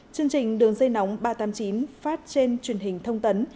chương trình đường dây nóng ba trăm tám mươi chín phát trên truyền hình thông tấn